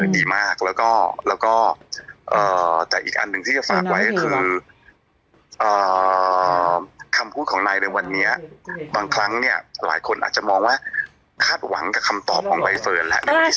ดีมากแล้วก็แต่อีกอันหนึ่งที่จะฝากไว้ก็คือคำพูดของนายในวันนี้บางครั้งเนี่ยหลายคนอาจจะมองว่าคาดหวังกับคำตอบของใบเฟิร์นแล้ว